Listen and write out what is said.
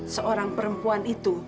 seorang perempuan itu